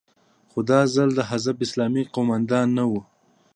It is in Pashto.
خو دا ځل د حزب اسلامي قومندانان نه وو.